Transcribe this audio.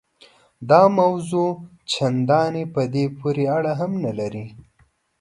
دا موضوع چنداني په دې پورې اړه هم نه لري.